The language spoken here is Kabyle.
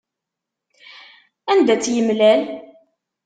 Anda tt-yemlal?